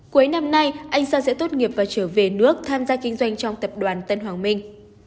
cuối năm nay anh sang sẽ tốt nghiệp và trở về nước tham gia kinh doanh trong tập đoàn tân hoàng minh